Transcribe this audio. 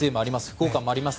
福岡もあります